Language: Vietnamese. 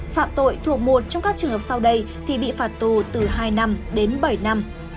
phạm tội thuộc một trong các trường hợp sau đây thì bị phạt tù từ hai năm đến bảy năm